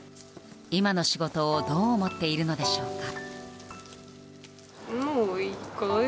今の仕事をどう思っているのでしょうか。